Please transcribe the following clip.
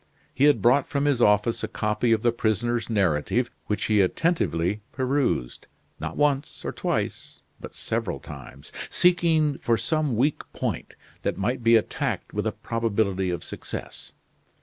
He had brought from his office a copy of the prisoner's narrative, which he attentively perused, not once or twice, but several times, seeking for some weak point that might be attacked with a probability of success.